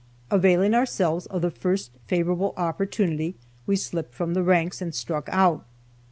Availing ourselves of the first favorable opportunity, we slipped from the ranks, and struck out.